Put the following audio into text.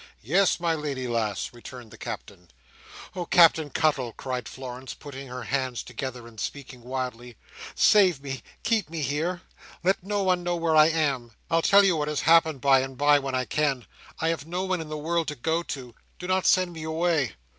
"Yes, my lady lass," returned the Captain. "Oh, Captain Cuttle!" cried Florence, putting her hands together, and speaking wildly. "Save me! keep me here! Let no one know where I am! I'll tell you what has happened by and by, when I can. I have no one in the world to go to. Do not send me away!"